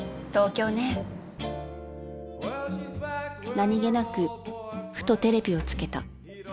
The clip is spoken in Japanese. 何げなくふとテレビをつけた